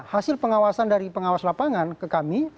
hasil pengawasan dari pengawas lapangan ke kami